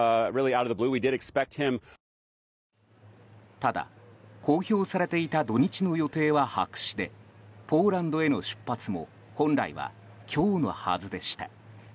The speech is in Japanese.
ただ、公表されていた土日の予定は白紙でポーランドへの出発も本来は今日のはずでした。